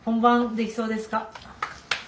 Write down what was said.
できそうです。